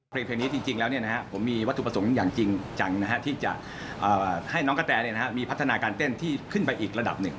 เพลงนี้จริงแล้วผมมีวัตถุประสงค์อย่างจริงจังที่จะให้น้องกระแตมีพัฒนาการเต้นที่ขึ้นไปอีกระดับหนึ่ง